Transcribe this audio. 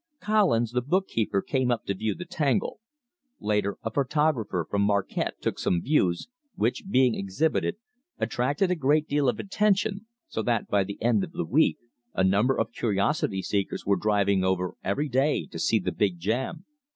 Collins, the bookkeeper, came up to view the tangle. Later a photographer from Marquette took some views, which, being exhibited, attracted a great deal of attention, so that by the end of the week a number of curiosity seekers were driving over every day to see the Big Jam.